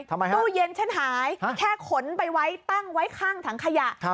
ตู้เย็นฉันหายแค่ขนไปไว้ตั้งไว้ข้างถังขยะ